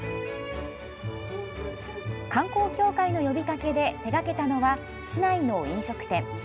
観光協会の呼びかけで手掛けたのは市内の飲食店。